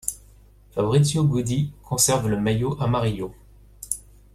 Fabrizio Guidi conserve le maillot amarillo.